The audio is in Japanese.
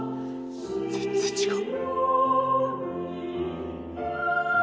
全然違う。